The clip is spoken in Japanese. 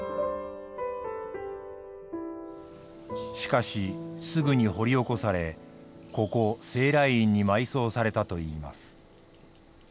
しかしすぐに掘り起こされここ西来院に埋葬されたといいます。